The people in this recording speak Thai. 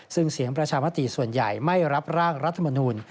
ซึ่งเสียงประชามติส่วนใหญ่ไม่รับร่างรัฐมนูล